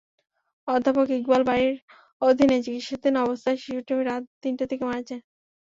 অধ্যাপক ইকবাল বারির অধীনে চিকিৎসাধীন অবস্থায় শিশুটি রাত তিনটার দিকে মারা যায়।